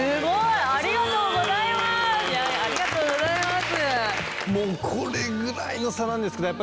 ありがとうございます。